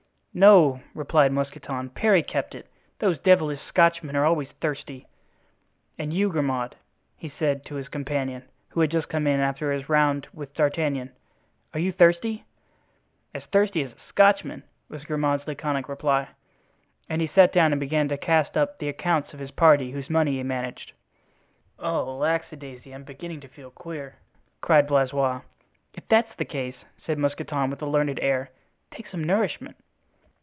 "No," replied Mousqueton, "Parry kept it. Those devilish Scotchmen are always thirsty. And you, Grimaud," he said to his companion, who had just come in after his round with D'Artagnan, "are you thirsty?" "As thirsty as a Scotchman!" was Grimaud's laconic reply. And he sat down and began to cast up the accounts of his party, whose money he managed. "Oh, lackadaisy! I'm beginning to feel queer!" cried Blaisois. "If that's the case," said Mousqueton, with a learned air, "take some nourishment."